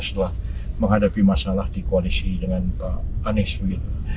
setelah menghadapi masalah di koalisi dengan pak anies begitu